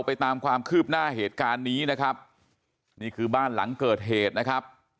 ไปตามความคืบหน้าเหตุการณ์นี้นะครับนี่คือบ้านหลังเกิดเหตุนะครับ